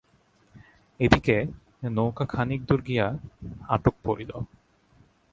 এদিকে নৌকা খানিক দূর গিয়া আটক পড়িল।